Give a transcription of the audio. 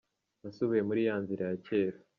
Nasubiye muri ya nzira ya cyera.